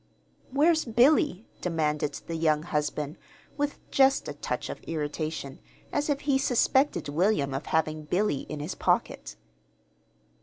"Where's Billy?" demanded the young husband, with just a touch of irritation, as if he suspected William of having Billy in his pocket.